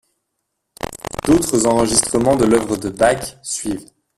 D'autres enregistrements de l'œuvre de Bach suivent.